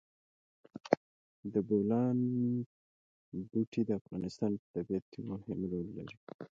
د بولان پټي د افغانستان په طبیعت کې مهم رول لري.